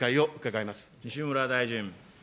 西村大臣。